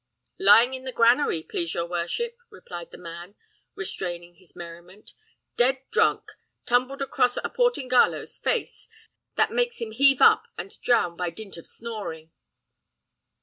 "Lying in the granary, please your worship," replied the man, restraining his merriment, "dead drunk, tumbled across a Portingallo's face, that makes him heave up and down by dint of snoring."